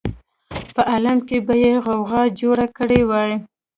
په عالم کې به یې غوغا جوړه کړې وای.